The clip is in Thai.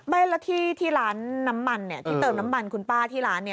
ไม่แล้วที่ร้านน้ำมันที่เติมน้ำมันคุณป้าที่ร้าน